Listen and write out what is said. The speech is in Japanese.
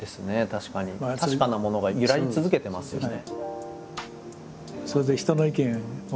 確かなものが揺らぎ続けてますよね。